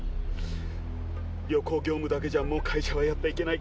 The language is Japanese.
旅行業務だけじゃもう会社はやっていけない。